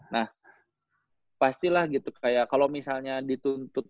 nah pastilah gitu kayak kalau misalnya dituntut